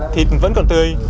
thịt vẫn còn tươi